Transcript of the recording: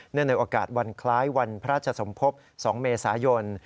ในโอกาสวันคล้ายวันพระราชสมภพ๒เมษายน